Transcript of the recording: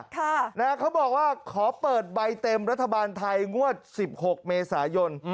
ค่ะนะฮะเขาบอกว่าขอเปิดใบเต็มรัฐบาลไทยงวดสิบหกเมษายน